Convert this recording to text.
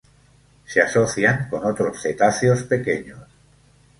Se asocian con otros cetáceos pequeños.